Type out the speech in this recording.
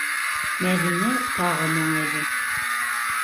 - Мәҙинә тағы моңайҙы.